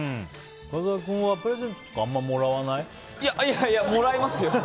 深澤君はプレゼントあまりもらわない？いやいや、もらいますよ。